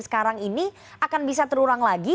sekarang ini akan bisa terulang lagi